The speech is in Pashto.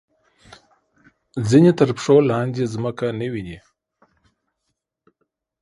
ځینې تر پښو لاندې ځمکه نه ویني.